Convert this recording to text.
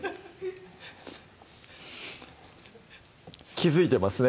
気付いてますね